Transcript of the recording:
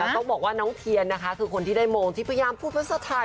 ต้องบอกว่าน้องเทียนนะคะคือคนที่ได้มงที่พยายามพูดภาษาไทย